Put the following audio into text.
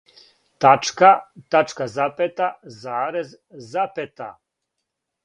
Тачка. Тачка запета. Зарез. Запета,